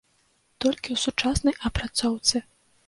Толькі ў сучаснай апрацоўцы.